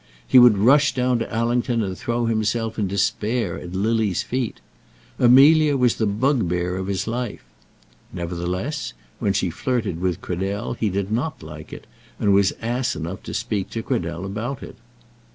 He would rush down to Allington and throw himself in despair at Lily's feet. Amelia was the bugbear of his life. Nevertheless, when she flirted with Cradell, he did not like it, and was ass enough to speak to Cradell about it.